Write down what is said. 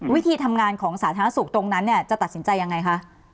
วิธีทำงานของสาธารณสุขตรงนั้นเนี่ยจะตัดสินใจยังไงคะ